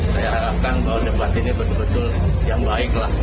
saya harapkan bahwa tempat ini betul betul yang baik